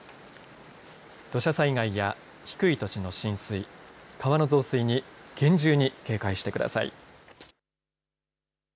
土砂災害や低い土地の浸水、川の増水に厳重に警戒してください。